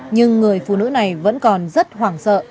nhưng người phụ nữ này vẫn còn rất hoảng sợ